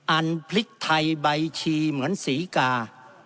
อันพริกไทยใบชีเหมือนศรีกา